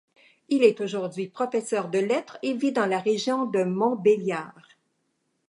Il est aujourd’hui professeur de lettres et vit dans la région de Montbéliard.